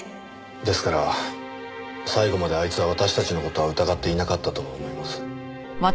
ですから最後まであいつは私たちの事は疑っていなかったと思います。